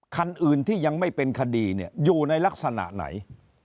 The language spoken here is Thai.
คันอื่นที่ยังไม่เป็นคดีเนี่ยอยู่ในลักษณะไหน